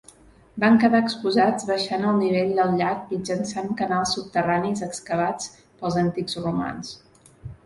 Van quedar exposats baixant el nivell del llac mitjançant canals subterranis excavats pels antics romans.